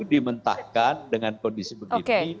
dimentahkan dengan kondisi seperti ini